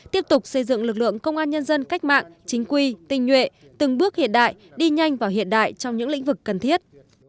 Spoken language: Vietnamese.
tiếp tục xây dựng lực lượng công an nhân dân cách mạng chính quy tinh nhuệ từng bước hiện đại đi nhanh và hiện đại trong những lĩnh vực cần thiết